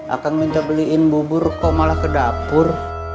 akan minta beliin bubur kok malah ke dapur